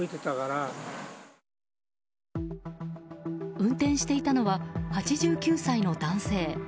運転していたのは８９歳の男性。